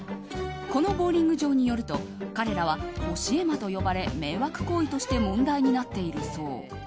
このボウリング場によると彼らは教え魔と呼ばれ迷惑行為として問題になっているそう。